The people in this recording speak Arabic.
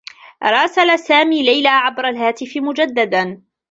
راسل سامي ليلى عبر الهاتف مجدّدا.